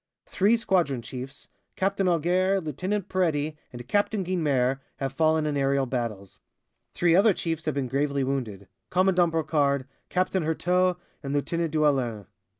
Three squadron chiefs, Captain Auger, Lieutenant Peretti and Captain Guynemer, have fallen in aerial battles; three other chiefs have been gravely wounded Commandant Brocard, Captain Heurteaux and Lieutenant Duellin.